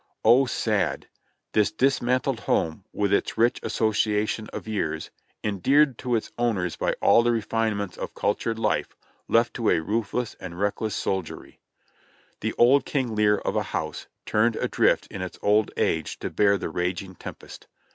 Oh, sad ! This dismantled home, with its rich association of years, endeared to its owners by all the refinements of cultured life, left to a ruthless and reckless soldiery! The old King Lear of a house, turned adrift in its old age to bear the raging tempest.